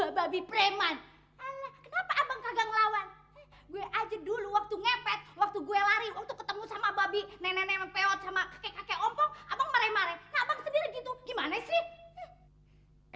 abang mare mare kakak sendiri gitu gimana sih